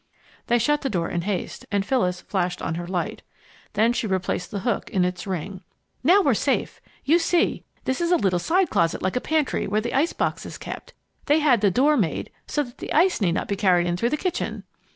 They shut the door in haste, and Phyllis flashed on her light. Then she replaced the hook in its ring. "Now we're safe! You see, this is a little side closet like a pantry, where the ice box is kept. They had the door made so that the ice need not be carried in through the kitchen."